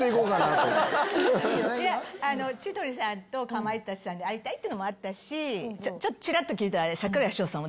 千鳥さんとかまいたちさんに会いたいっていうのもあったしちらっと聞いたら。